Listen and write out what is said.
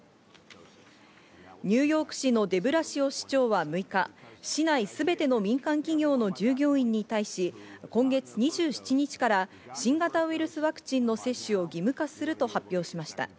ニューヨーク市のデブラシオ市長は６日、市内すべての民間企業の従業員に対し、今月２７日から新型ウイルスワクチンの接種を義務化すると発表しました。